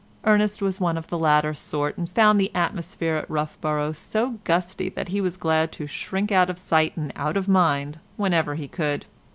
Ernest was one of the latter sort, and found the atmosphere of Roughborough so gusty that he was glad to shrink out of sight and out of mind whenever he could.